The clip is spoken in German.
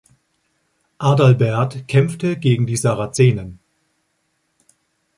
Adalbert kämpfte gegen die Sarazenen.